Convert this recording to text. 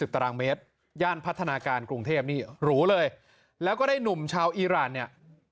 ตารางเมตรย่านพัฒนาการกรุงเทพนี่หรูเลยแล้วก็ได้หนุ่มชาวอีรานเนี่ย